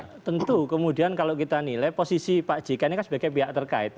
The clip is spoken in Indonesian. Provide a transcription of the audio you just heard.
ya tentu kemudian kalau kita nilai posisi pak jk ini kan sebagai pihak terkait